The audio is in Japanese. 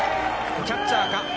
キャッチャーか？